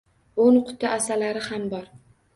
O`n quti asalari ham bor